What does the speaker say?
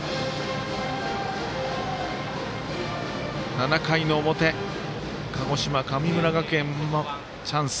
７回の表鹿児島、神村学園のチャンス。